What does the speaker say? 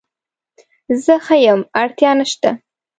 زه ښه یم اړتیا نشته